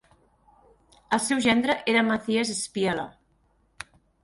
El seu gendre era Mathias Spieler.